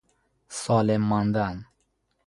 سالم ماندن